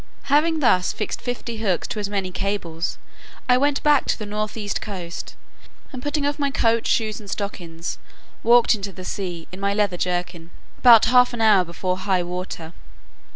Having thus fixed fifty hooks to as many cables, I went back to the north east coast, and putting off my coat, shoes, and stockings, walked into the sea, in my leathern jerkin, about half an hour before high water.